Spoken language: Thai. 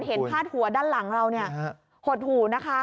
เห็นภาพหัวด้านหลังเราหดหูนะคะ